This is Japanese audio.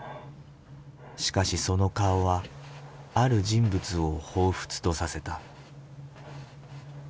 しかしその顔はある人物をほうふつとさせた。